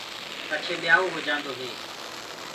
پڇي ٻيآئوٚ هوجآندو هي۔